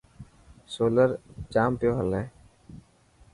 سولر جام پيو هلي.